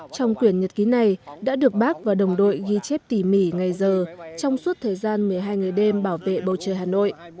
trong quyển nhật ký này đã được bác và đồng đội ghi chép tỉ mỉ ngày giờ trong suốt thời gian một mươi hai ngày đêm bảo vệ bầu trời hà nội